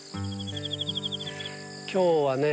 今日はね